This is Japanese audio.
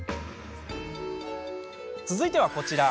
続いては、こちら。